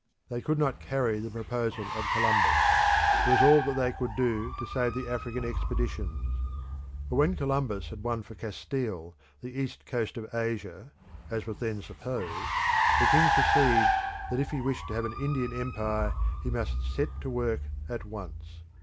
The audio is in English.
They could not carry the proposal of Columbus; it was all that they could do to save the African expeditions. But when Columbus had won for Castile the east coast of Asia (as was then supposed) the king perceived that if he wished to have an Indian empire he must set to work at once.